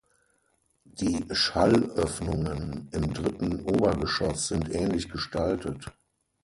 Die Schallöffnungen im dritten Obergeschoss sind ähnlich gestaltet.